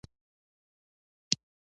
په همدې وجه په اسلامي هېوادونو کې مطالعه ده.